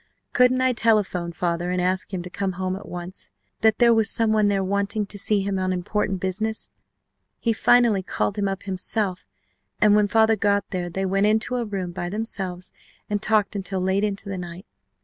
Couldn't I telephone father and ask him to come home at once, that there was someone there wanting to see him on important business? He finally called him up himself and when father got there they went into a room by themselves and talked until late into the night.